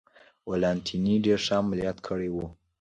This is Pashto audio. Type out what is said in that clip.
ولانتیني ډېر ښه عملیات کړي و.